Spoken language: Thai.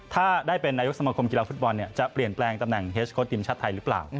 ถ้าได้เป็นนายกสมคมกีฬาฟุตบอลจะเปลี่ยนแปลงตำแหน่งเฮสโค้ดทีมชาติไทยหรือเปล่า